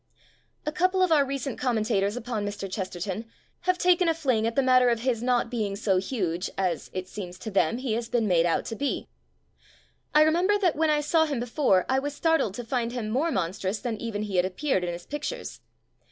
A couple of our recent commenta tors upon Mr. Chesterton have taken a fling at the matter of his not being so huge as, it seems to them, he has been made out to be. I remember that when I saw him before I was startled to find him more monstrous than even he had appeared in his pictures.